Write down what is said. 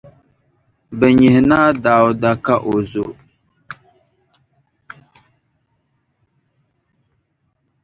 Bɛ nyihi Naa Dauda ka o zo.